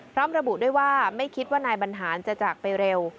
พร้อมระบุด้วยว่าไม่คิดว่านายบรรหารจะจากไปเร็ว